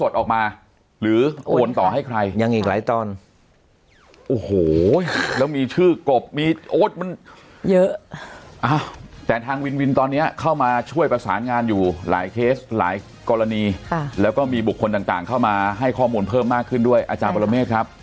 ทุกอย่างคุ้มที่ช่วยประสานงานอยู่หลายเคสหลายกรณีแล้วก็มีบุคคนต่างเข้ามาให้ข้อมูลเพิ่มมากขึ้นด้วยอาจารย์ปรมาเมฆครับ